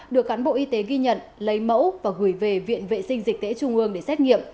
được cán bộ y tế ghi nhận lấy mẫu và gửi về viện vệ sinh dịch tễ trung ương để xét nghiệm